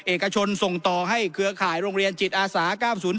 เอกชนส่งต่อให้เครือข่ายโรงเรียนจิตอาสา๙๐๔